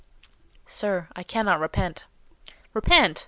"Sir, I cannot repent." "Repent!